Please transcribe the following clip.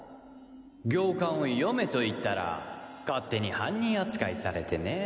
行間を読めと言ったら勝手に犯人扱いされてねえ。